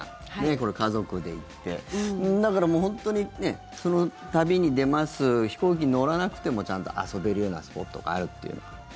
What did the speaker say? これ、家族で行ってだからもう、本当に旅に出ます、飛行機乗らなくてもちゃんと遊べるようなスポットがあるっていう。